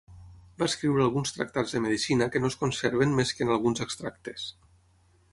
Va escriure alguns tractats de medicina que no es conserven més que en alguns extractes.